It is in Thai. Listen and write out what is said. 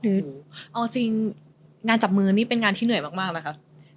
คือเอาจริงงานจับมือนี่เป็นงานที่เหนื่อยมากนะคะ